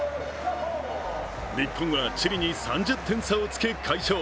日本はチリに３０点差をつけ快勝。